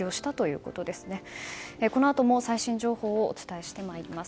このあとも最新情報をお伝えしてまいります。